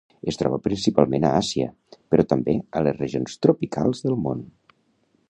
Es troba principalment a Àsia però també a les regions tropicals del món.